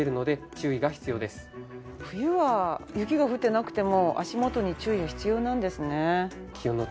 冬は雪が降ってなくても足元に注意が必要なんですね。